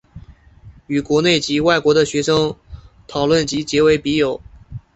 与国内及外国的学生讨论及结为笔友。